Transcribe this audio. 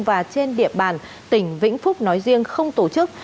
và trên địa bàn tỉnh vĩnh phúc nói riêng không tổ chức